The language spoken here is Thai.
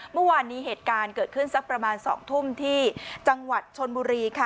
เมื่อวานนี้เหตุการณ์เกิดขึ้นสักประมาณ๒ทุ่มที่จังหวัดชนบุรีค่ะ